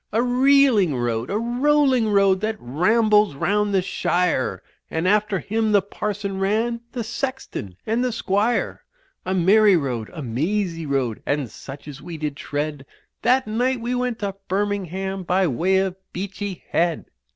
A reeling road, a rolling road, that rambles round the shire, And after him the parson ran, the sexton and the squire. A merry road, a mazy road, and such as we did tread That night we went to Birmingham by way of Beachy Head.